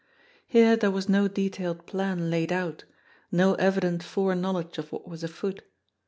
Here there was no detailed plan laid out, no evident foreknowledge of what was afoot.